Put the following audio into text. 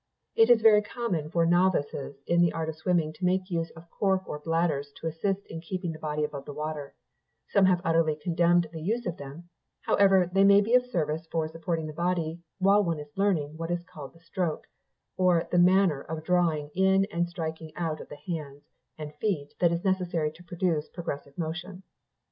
It is very common for novices in the art of swimming to make use of cork or bladders to assist in keeping the body above water; some have utterly condemned the use of them; however, they may be of service for supporting the body while one is learning what is called the stroke, or that manner of drawing in and striking out the hands and feet that is necessary to produce progressive motion.